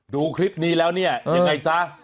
ดูคลิปนี้แล้วเนี่ยยังไงซะ